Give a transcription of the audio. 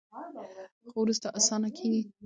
خو وروسته اسانه کیږي.